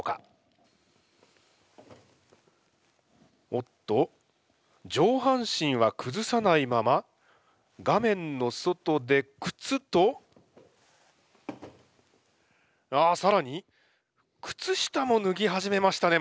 おっと上半身は崩さないまま画面の外で靴とあ更に靴下も脱ぎ始めましたね